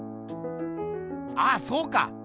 ああそうか！